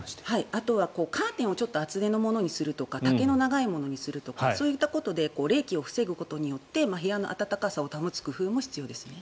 あとはカーテンを厚手のものにするとか丈の長いものにするとかそういったことで冷気を防ぐことで部屋の暖かさを保つ工夫も必要ですね。